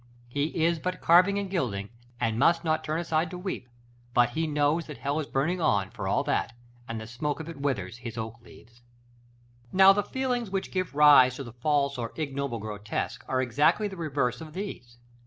He is but carving and gilding, and must not turn aside to weep; but he knows that hell is burning on, for all that, and the smoke of it withers his oak leaves. § XLVII. Now, the feelings which give rise to the false or ignoble grotesque, are exactly the reverse of these.